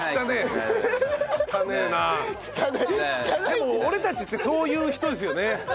でも俺たちってそういう人ですよね。